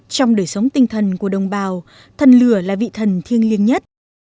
trong đời sống tinh thần của đồng bào thần lửa là vị thần thiêng liêng nhất